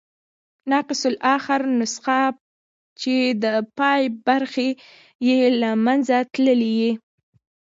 ناقص الاخرنسخه، چي د پای برخي ئې له منځه تللي يي.